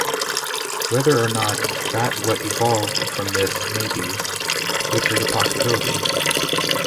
Whether or not that what evolved from this maybe... which is a possibility.